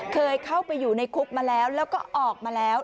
เคยเข้าไปอยู่ในคุกมาแล้วแล้วก็ออกมาแล้ว